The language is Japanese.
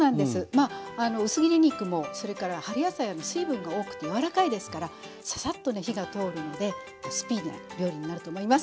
まあ薄切り肉もそれから春野菜も水分が多くて柔らかいですからササッとね火が通るのでスピーディーな料理になると思います。